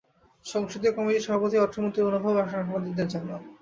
সংসদীয় কমিটির সভাপতি অর্থমন্ত্রীর মনোভাবও সাংবাদিকদের জানান।